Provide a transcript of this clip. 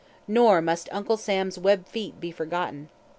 Nor must Uncle Sam's webfeet be forgotten.